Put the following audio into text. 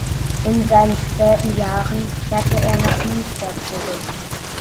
In seinen späten Jahren kehrte er nach Münster zurück.